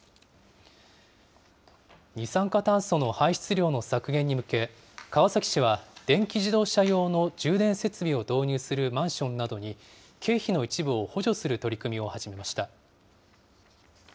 二酸化炭素の排出量の削減に向け、川崎市は電気自動車用の充電設備を導入するマンションなどに、経費の一部を補助する取り組みを始めました。